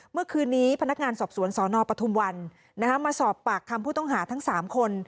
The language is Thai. เมื่อคืนนี้พนักงานสอบสวนสนปทุมวันมาสอบปากคำผู้ต้องหาทั้ง๓คน